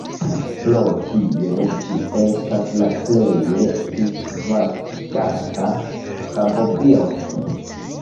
Pro tio ĝi estas la plej disvastigata rabobirdo.